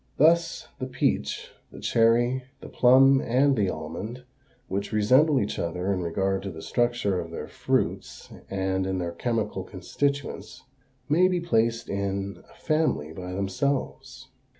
Thus, the peach, the cherry, the plum, and the almond, which resemble each other in regard to the structure of their fruits and in their chemical constituents, may be placed in a family by themselves.